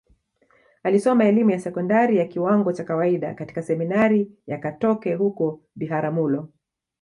Alisoma elimu ya sekondari ya kiwango cha kawaida katika Seminari ya Katoke huko Biharamulo